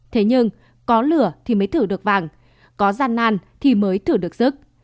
thế nhưng có lửa thì mới thử được vàng có gian nan thì mới thử được sức